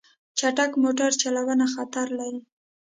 چټک موټر چلوونه خطر لري.